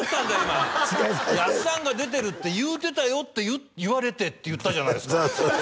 今「やっさんが出てるって言うてたよって言われて」って言ったじゃないですかそうそう